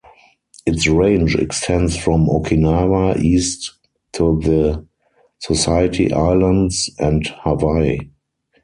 Its range extends from Okinawa east to the Society Islands and Hawaii.